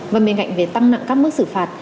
và bên cạnh về tăng nặng các mức xử phạt